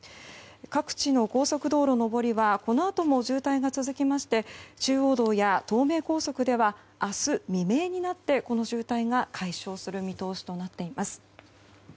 各地の高速道路上りはこのあとも渋滞が続きまして中央道や東名高速では明日未明になってこの渋滞が解消する見通しとなっています。